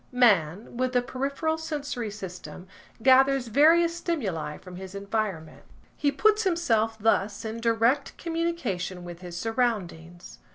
Man, with the peripheral sensory system, gathers various stimuli from his environment. He puts himself thus in direct communication with his surroundings.